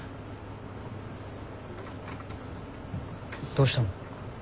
どうしたの？